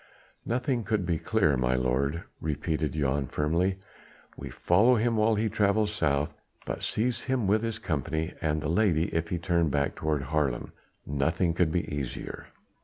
"Nothing could be clearer, my lord," repeated Jan firmly. "We follow him while he travels south, but seize him with his company and the lady if he turn back toward Haarlem. Nothing could be easier."